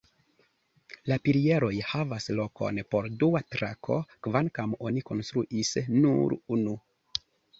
La pilieroj havas lokon por dua trako, kvankam oni konstruis nur unu.